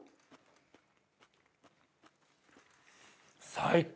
最高！